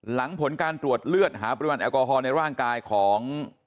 หลังผลการตรวจเลือดหาปริมาณแอลกอฮอลในร่างกายของ